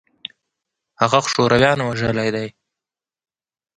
هغه خو شورويانو وژلى دى.